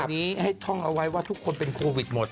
วันนี้ให้ท่องเอาไว้ว่าทุกคนเป็นโควิดหมด